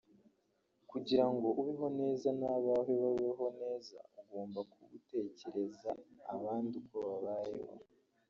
kugira ngo ubeho neza n’abawe babeho neza ugomba kuba utekereza abandi uko babayeho